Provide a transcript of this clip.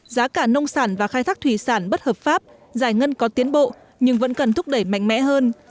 giá cả nông sản và khai thác thủy sản bất hợp pháp giải ngân có tiến bộ nhưng vẫn cần thúc đẩy mạnh mẽ hơn